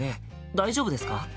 大丈夫ですか？